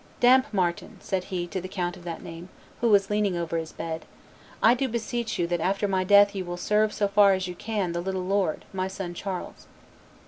Dampmartin," said he to the count of that name, who was leaning over his bed, "I do beseech you that after my death you will serve so far as you can the little lord, my son Charles."